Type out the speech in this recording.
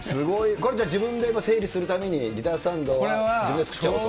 これじゃあ自分で整理するために、ギタースタンドは自分で作っちゃおうと。